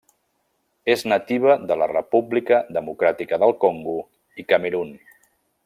És nativa de la República Democràtica del Congo i Camerun.